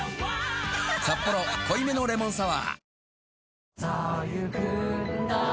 「サッポロ濃いめのレモンサワー」